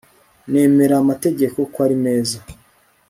Nemeramategeko kw ari meza